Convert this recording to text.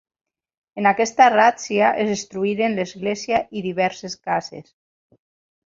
En aquesta ràtzia es destruïren l'església i diverses cases.